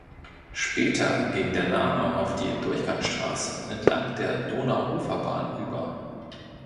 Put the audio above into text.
Später ging der Name auf die Durchgangsstraße entlang der Donauuferbahn über.